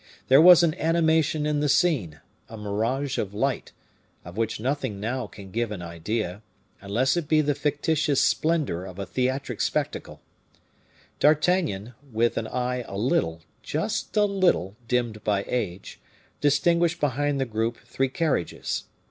There was an animation in the scene, a mirage of light, of which nothing now can give an idea, unless it be the fictitious splendor of a theatric spectacle. D'Artagnan, with an eye a little, just a little, dimmed by age, distinguished behind the group three carriages.